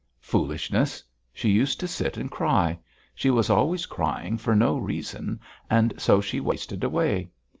"Foolishness. She used to sit and cry. She was always crying for no reason at all and so she wasted away.